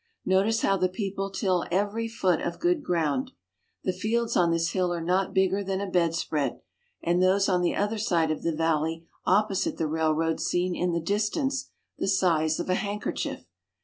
Notice how the people till every foot of good ground. The fields on this hill are not bigger than a bedspread, and those on the other side of the valley opposite the railroad seem in the distance the size of a handkerchief.